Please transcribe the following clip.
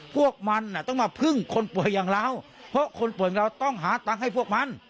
พวกมันต้องมาพึ่งคนป่วยอย่างเราเพราะคนป่วยเราต้องหาตังค์ให้พวกมัน